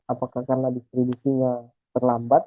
apakah karena distribusinya terlambat